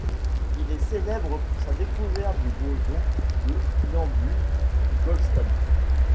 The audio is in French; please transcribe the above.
Il est célèbre pour sa découverte du boson de Nambu-Goldstone.